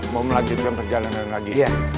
mau melanjutkan perjalanan lagi